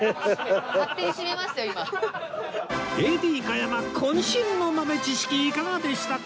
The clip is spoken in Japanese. ＡＤ 加山渾身の豆知識いかがでしたか？